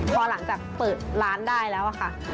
พอหลังจากเปิดร้านได้แล้วค่ะ